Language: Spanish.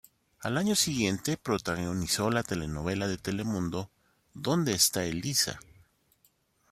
Al año siguiente, protagonizó la telenovela de Telemundo "¿Dónde está Elisa?